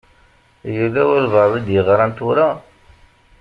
Yella walebɛaḍ i d-yeɣṛan tura.